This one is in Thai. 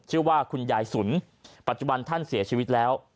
ชื่อว่าคุณยายสุนปัจจุบันท่านเสียชีวิตแล้ว